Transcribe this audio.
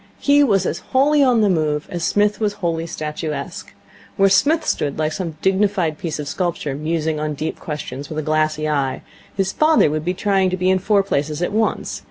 He was as wholly on the move as Psmith was wholly statuesque. Where Psmith stood like some dignified piece of sculpture, musing on deep questions with a glassy eye, his father would be trying to be in four places at once.